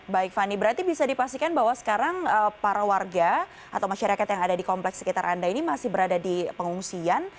baik fani berarti bisa dipastikan bahwa sekarang para warga atau masyarakat yang ada di kompleks sekitar anda ini masih berada di pengungsian